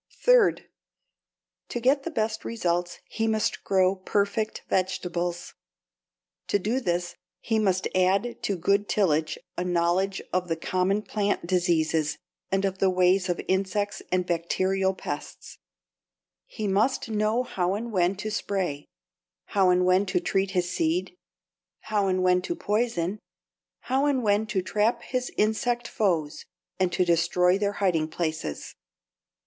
Third, to get the best results he must grow perfect vegetables. To do this, he must add to good tillage a knowledge of the common plant diseases and of the ways of insects and bacterial pests; he must know how and when to spray, how and when to treat his seed, how and when to poison, how and when to trap his insect foes and to destroy their hiding places.